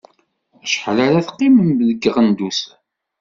Acḥal ara teqqimem deg Iɣendusen?